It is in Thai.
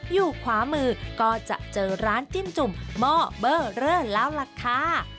อยู่ขวามือก็จะเจอร้านจิ้มจุ่มหม้อเบอร์เรอแล้วล่ะค่ะ